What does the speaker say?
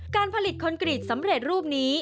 การผลิตคอนกรีตสำเร็จรูปนี้